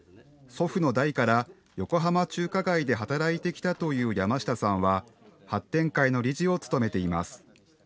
祖父の代から横浜中華街で働いてきたという山下さんは発展会の理事を務めています。